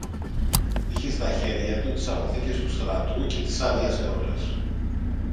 Είχε στα χέρια του τις αποθήκες του στρατού και τις άδειασε όλες.